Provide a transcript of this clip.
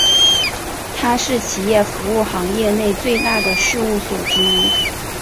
它是企业服务行业内最大的事务所之一。